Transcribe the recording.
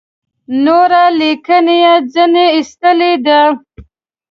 نوره لیکنه یې ځنې ایستلې ده.